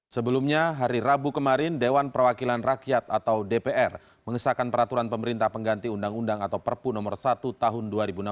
sebelumnya hari rabu kemarin dewan perwakilan rakyat atau dpr mengesahkan peraturan pemerintah pengganti undang undang atau perpu nomor satu tahun dua ribu enam belas